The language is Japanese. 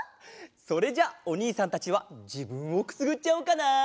それじゃおにいさんたちはじぶんをくすぐっちゃおうかな。